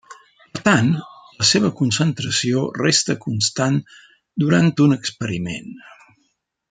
Per tant, la seva concentració resta constant durant un experiment.